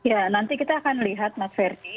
ya nanti kita akan lihat mas ferdi